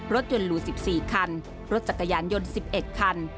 รถยนต์หรู๑๔คันรถจักรยานยนต์๑๑คัน